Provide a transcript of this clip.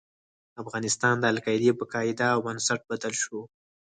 افغانستان د القاعدې په قاعده او بنسټ بدل شو.